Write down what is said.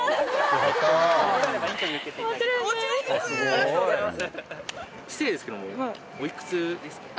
ありがとうございます。